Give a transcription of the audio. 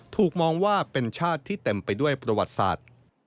ถูกมองว่าเป็นชาติที่เต็มไปด้วยประวัติศาสตร์